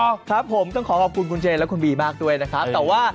ใช่ครับผมต้องขอบคุณเจและคุณบีบ้างด้วยนะครับ